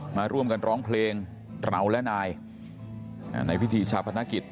มาร่วมกันร้องเพลงเราและนายในพิธีชาพนักกิจ